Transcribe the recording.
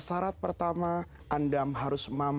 menanamkan kepercayaan ke hope nimble